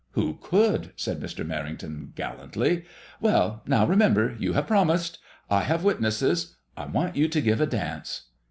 " Who could ?" said Mr. Merrington, gallantly. " Well, now, remember you have promised. I have witnesses. I want you to give a dance."